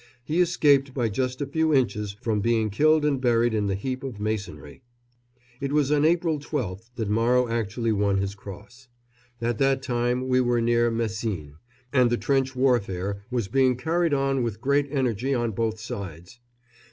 He escaped by just a few inches from being killed and buried in the heap of masonry. It was on April 12th that Morrow actually won his Cross. At that time we were near Messines, and the trench warfare was being carried on with great energy on both sides.